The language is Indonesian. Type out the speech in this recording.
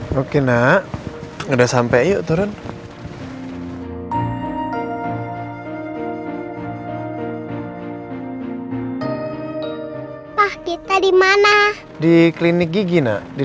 mama masih aja ya marah kayak gini